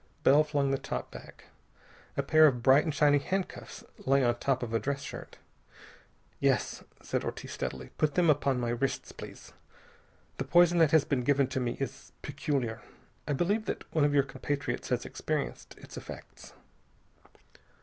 Bell flung the top back. A pair of bright and shiny handcuffs lay on top of a dress shirt. "Yes," said Ortiz steadily. "Put them upon my wrists, please. The poison that has been given to me is peculiar. I believe that one of your compatriots has experienced its effects."